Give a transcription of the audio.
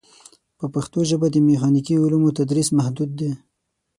په پښتو ژبه د میخانیکي علومو تدریس محدود دی.